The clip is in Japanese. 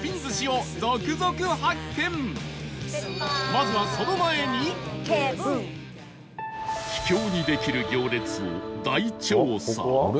まずは秘境にできる行列を大調査